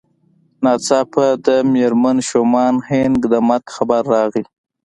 ناڅاپه د مېرمن شومان هينک د مرګ خبر راغی.